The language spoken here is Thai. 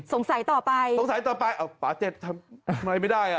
สงสัยต่อไปสงสัยต่อไปปาเตศทำอะไรไม่ได้